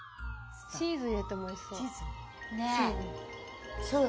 チーズ入れてもおいしそう。